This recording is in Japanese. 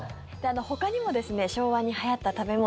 ほかにも昭和にはやった食べ物